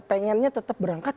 pengennya tetap berangkat